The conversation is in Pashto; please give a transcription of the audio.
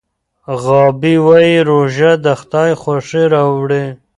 غابي وایي روژه د خدای خوښي راوړي.